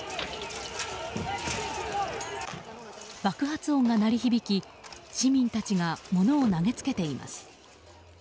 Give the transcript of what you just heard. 爆発音が鳴り響き、市民たちが物を投げつけています。